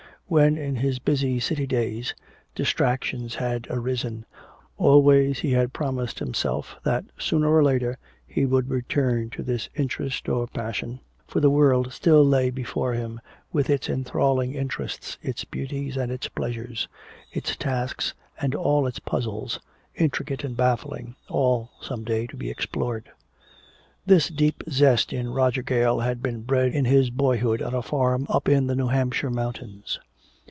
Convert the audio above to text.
When in his busy city days distractions had arisen, always he had promised himself that sooner or later he would return to this interest or passion, for the world still lay before him with its enthralling interests, its beauties and its pleasures, its tasks and all its puzzles, intricate and baffling, all some day to be explored. This deep zest in Roger Gale had been bred in his boyhood on a farm up in the New Hampshire mountains.